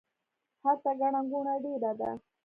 هلته ګڼه ګوڼه ډیره ده